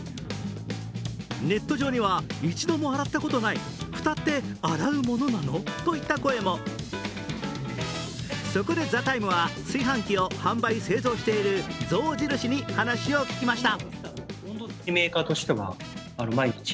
ネット上には、一度も洗ったことない、蓋って洗うものなの？といった声もそこで「ＴＨＥＴＩＭＥ，」は炊飯器を販売・製造している象印に話を聞きました。